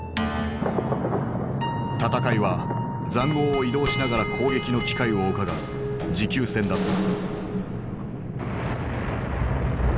戦いは塹壕を移動しながら攻撃の機会をうかがう持久戦だった。